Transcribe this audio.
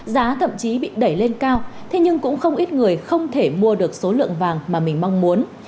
giá thậm chí bị đẩy lên cao thế nhưng cũng không ít người không thể mua được số lượng vàng mà mình mong muốn